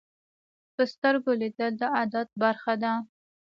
په سترګو لیدل د عادت برخه ده